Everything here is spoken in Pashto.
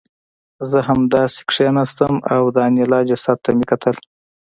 زه همداسې کېناستم او د انیلا جسد ته مې کتل